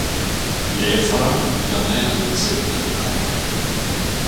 Les Francs lui donnèrent le titre de comte.